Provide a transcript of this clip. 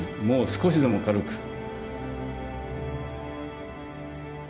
もう少しでも軽く。